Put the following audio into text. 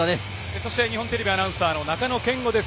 そして日本テレビアナウンサーの中野謙吾です。